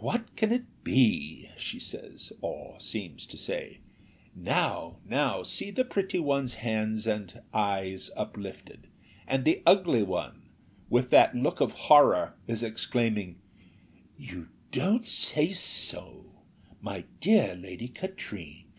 'What can it be?' she says, or seems to say. Now, now, see the pretty one's hands and eyes uplifted, and the ugly one, with that look of horror, is exclaiming, 'You don't say so, my dear Lady Katrine!